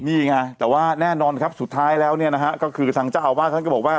นี่ไงแต่ว่าแน่นอนครับสุดท้ายแล้วเนี่ยนะฮะก็คือทางเจ้าอาวาสท่านก็บอกว่า